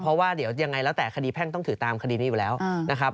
เพราะว่าเดี๋ยวยังไงแล้วแต่คดีแพ่งต้องถือตามคดีนี้อยู่แล้วนะครับ